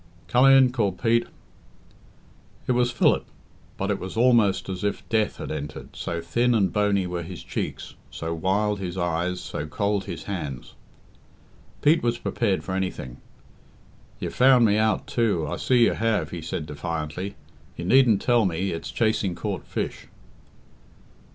"Come in," called Pete. It was Philip, but it was almost as if Death had entered, so thin and bony were his cheeks, so wild his eyes, so cold his hands. Pete was prepared for anything. "You've found me out, too, I see you have," he said defiantly. "You needn't tell me it's chasing caught fish."